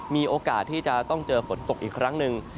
มีโอกาสที่จะต้องเจอฝนตกอีกครั้งหนึ่ง